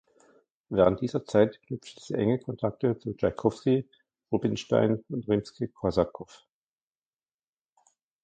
Während dieser Zeit knüpfte sie enge Kontakte zu Tschaikowski, Rubinstein und Rimski-Korsakow.